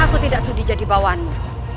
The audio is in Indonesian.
aku tidak sudi jadi bawaanmu